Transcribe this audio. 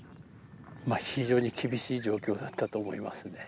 まあ非常に厳しい状況だったと思いますね。